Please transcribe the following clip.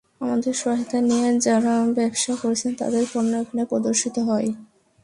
আমাদের সহায়তা নিয়ে যাঁরা ব্যবসা করছেন, তাঁদের পণ্য এখানে প্রদর্শিত হয়।